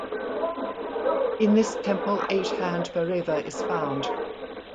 In this temple eight hand Bhairava is found.